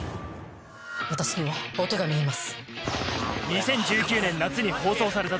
私には音が見えます。